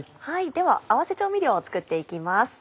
では合わせ調味料を作っていきます。